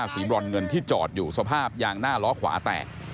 บรอนเงินที่จอดอยู่สภาพยางหน้าล้อขวาแตก